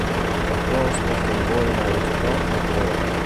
De stokroas docht in goai nei it wrâldrekôr.